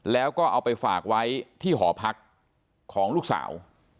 แล้วก็เอาไปฝากไว้ที่หอพักของลูกสาว